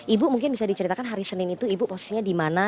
ibu mungkin bisa diceritakan hari senin itu ibu posisinya di mana